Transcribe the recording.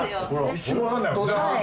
一瞬わかんない。